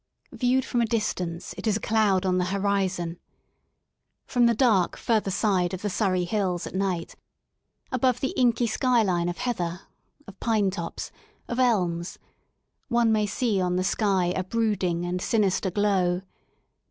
Viewed from a distance it is a cloud on the horizon. From the dark, further side of the Surrey hills at night, above the inky sky line of heather, of pine tops, of elms, one may see on the sky a brooding and sinister glow.